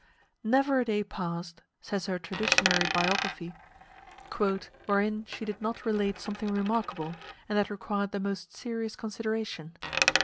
"Never a day passed," says her traditionary biography, "wherein, she did not relate something remarkable, and that required the most serious consideration.